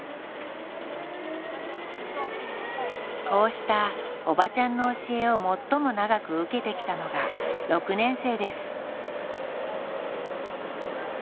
こうしたおばちゃんの教えを最も長く受けてきたのが６年生です。